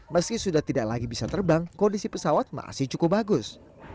meski sudah tidak lagi bisa terbang kondisi pesawat masih cukup bagus